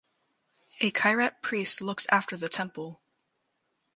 A kirat priest looks after the temple.